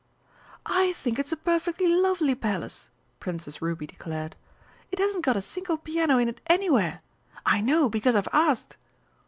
"I think it's a perfectly lovely Palace!" Princess Ruby declared. "It hasn't got a single piano in it anywhere! I know, because I've asked."